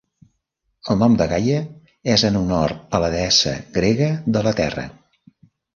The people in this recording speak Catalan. El nom de Gaia és en honor a la deessa grega de la Terra.